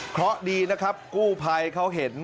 เพราะดีนะครับกู้ภัยเขาเห็น